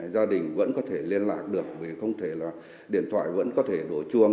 gia đình vẫn có thể liên lạc được vì không thể là điện thoại vẫn có thể đổ chuông